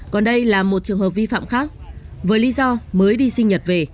còn đây là một trường hợp vi phạm khác với lý do mới đi sinh nhật về